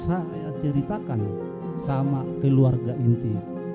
saya ceritakan sama keluarga inti